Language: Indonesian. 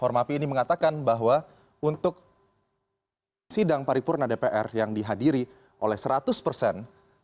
formapi ini mengatakan bahwa untuk sidang paripurna dpr yang dihadiri oleh seratus persen